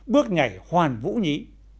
bước nhảy hoàn vũ nhí